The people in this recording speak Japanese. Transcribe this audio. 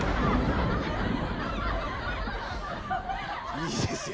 いいですよ。